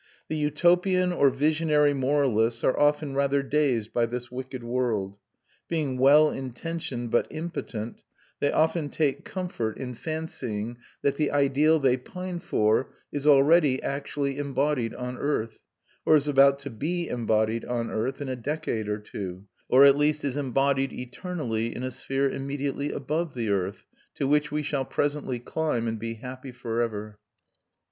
The Utopian or visionary moralists are often rather dazed by this wicked world; being well intentioned but impotent, they often take comfort in fancying that the ideal they pine for is already actually embodied on earth, or is about to be embodied on earth in a decade or two, or at least is embodied eternally in a sphere immediately above the earth, to which we shall presently climb, and be happy for ever.